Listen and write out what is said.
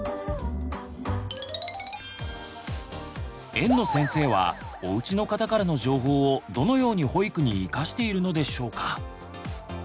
園の先生はおうちの方からの情報をどのように保育にいかしているのでしょうか？